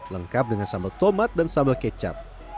lengkap dengan sambal tomat dan sambal kecap